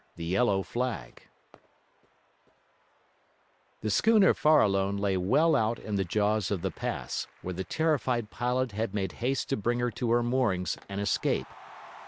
THE YELLOW FLAG The schooner Farallone lay well out in the jaws of the pass, where the terrified pilot had made haste to bring her to her moorings and escape.